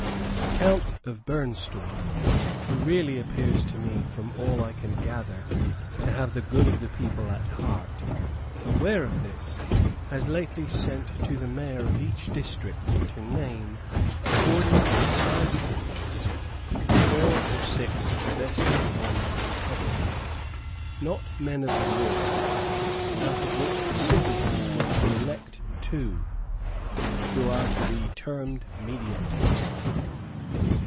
The Count of Bernstorff, who really appears to me, from all I can gather, to have the good of the people at heart, aware of this, has lately sent to the mayor of each district to name, according to the size of the place, four or six of the best informed inhabitants, not men of the law, out of which the citizens were to elect two, who are to be termed mediators.